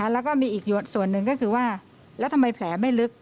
แล้วก็มีอีกส่วนหนึ่งก็คือว่าแล้วทำไมแผลไม่ลึก